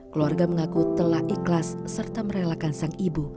keluarga mengaku telah ikhlas serta merelakan sang ibu